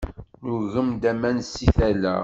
Nugem-d aman seg tala.